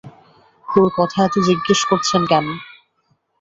ওঁর কথা এত জিজ্ঞেস করছেন কেন?